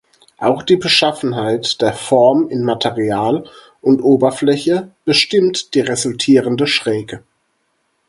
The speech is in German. Auch die Beschaffenheit der Form in Material und Oberfläche bestimmt die resultierende Schräge.